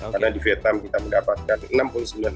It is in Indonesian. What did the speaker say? karena di vietnam kita mendapatkan enam puluh sembilan emas